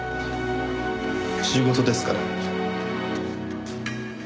仕事ですから。